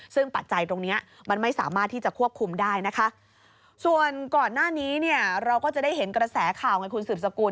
ซึ่งปัจจัยตรงเนี้ยมันไม่สามารถที่จะควบคุมได้นะคะส่วนก่อนหน้านี้เนี่ยเราก็จะได้เห็นกระแสข่าวไงคุณสืบสกุล